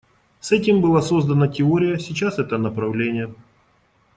С этим была создана теория, сейчас это направление.